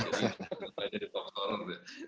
saya jadi topscorer